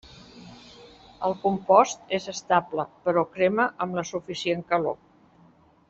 El compost és estable, però crema amb la suficient calor.